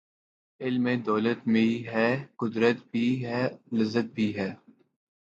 علم میں دولت بھی ہے ،قدرت بھی ہے ،لذت بھی ہے